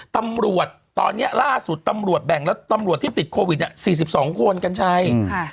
ตำรวจตอนนี้ล่าสุดตำรวจแบ่งแล้วตำรวจที่ติดโควิด๔๒คนกัญชัย